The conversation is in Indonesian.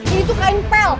ini tuh kain pel